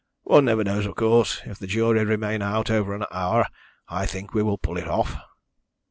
One never knows, of course. If the jury remain out over an hour I think we will pull it off."